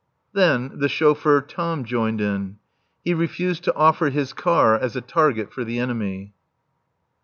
Then the chauffeur Tom joined in. He refused to offer his car as a target for the enemy.